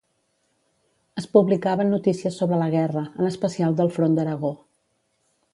Es publicaven notícies sobre la guerra, en especial del front d'Aragó.